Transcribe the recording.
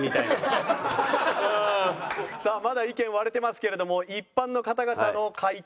さあまだ意見割れてますけれども一般の方々の回答